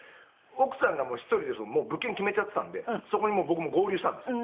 奥さんが１人で物件決めちゃってたんでそこに僕も合流したんですよ。